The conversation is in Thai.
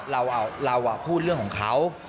เราพูดเรื่องของเขา